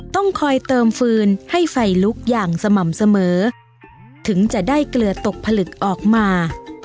ต้องคอยเติมฟืนให้ไฟลุกอย่างสม่ำเสมอถึงจะได้เกลือตกผลึกออกมา